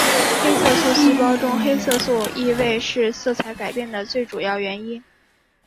黑色素细胞中的黑色素易位是色彩改变的最主要原因。